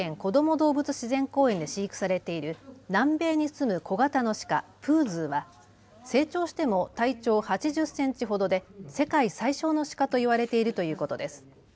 動物自然公園で飼育されている南米に住む小型のシカ、プーズーは成長しても体長８０センチほどで世界最小のシカと言われているということです。